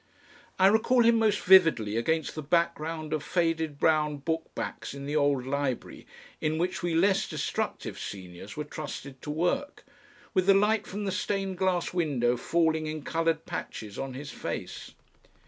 I recall him most vividly against the background of faded brown book backs in the old library in which we less destructive seniors were trusted to work, with the light from the stained glass window falling in coloured patches on his face.